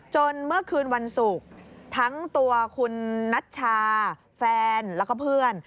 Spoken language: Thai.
เมื่อคืนวันศุกร์ทั้งตัวคุณนัชชาแฟนแล้วก็เพื่อน